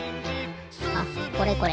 あこれこれ。